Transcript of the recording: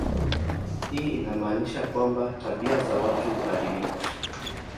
Hii inamaanisha kwamba tabia za watu hubadilika.